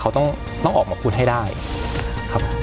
เขาต้องออกมาพูดให้ได้ครับ